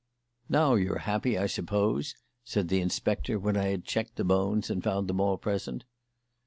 "Now you're happy, I suppose," said the inspector when I had checked the bones and found them all present.